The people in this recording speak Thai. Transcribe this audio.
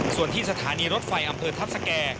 ส่วนที่สถานีรถไฟอำเภอทัพสแก่